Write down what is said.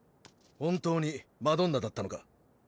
本当にマドンナだったのか？